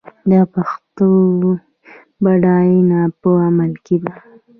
د پښتو بډاینه په عمل کې ده.